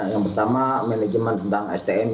yang pertama manajemen tentang